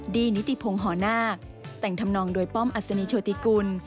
นิติพงศ์หอนาคแต่งทำนองโดยป้อมอัศนีโชติกุล